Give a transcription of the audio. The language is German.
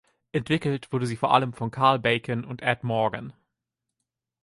Entwickelt wurde sie vor allem von Karl Bacon und Ed Morgan.